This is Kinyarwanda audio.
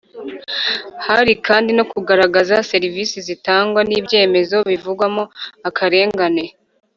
hari kandi no kugaragaza serivisi zitangwa n'ibyemezo bivugwamo akarengane.